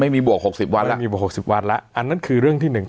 ไม่มีบวกหกสิบวันละไม่มีบวกหกสิบวันละอันนั้นคือเรื่องที่หนึ่ง